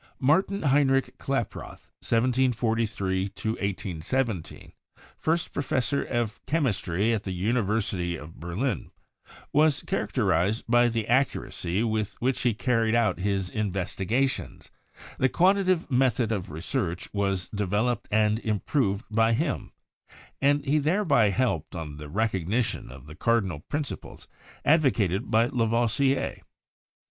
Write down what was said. Martin Heinrich Klaproth (1743 1817), first Professor of Chemistry at the University of Berlin, was character ized by the accuracy with which he carried out his investi gations; the quantitative method of research was devel oped and improved by him, and he thereby helped on the recognition of the cardinal principles advocated by La voisier.